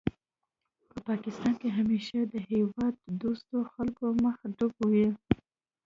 په افغانستان کې همېشه د هېواد دوستو خلکو مخه ډب وي